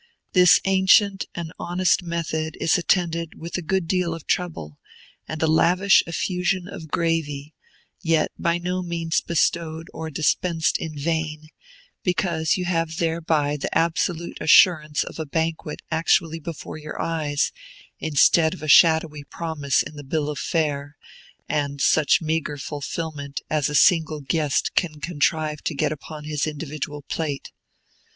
This ancient and honest method is attended with a good deal of trouble, and a lavish effusion of gravy, yet by no means bestowed or dispensed in vain, because you have thereby the absolute assurance of a banquet actually before your eyes, instead of a shadowy promise in the bill of fare, and such meagre fulfilment as a single guest can contrive to get upon his individual plate.